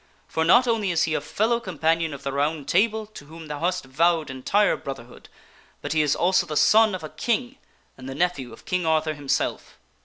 For not only is he a fellow companion of the Round Table, to whom thou hast vowed entire brotherhood, but he is also the son of a king and the nephew of King Arthur himself."